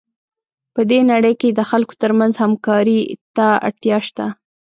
په دې نړۍ کې د خلکو ترمنځ همکارۍ ته اړتیا شته.